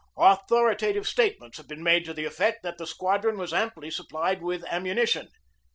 Authorita tive statements have been made to the effect that the squadron was amply supplied with ammunition.